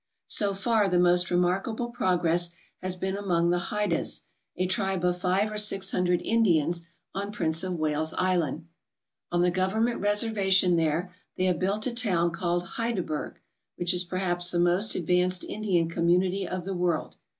So far the most remarkable progress has been among the Hydahs, a tribe of five or six hundred Indians on Prince of Wales Island* On the government reservation there 47 ALASKA OUR NORTHERN WONDERLAND they have built a town called Hydaburg, which is perhaps the most advanced Indian community of the world.